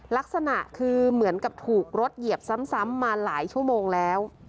ลักษณะคือเหมือนกับถูกรถเหยียบซ้ำมาหลายชั่วโมงแล้ว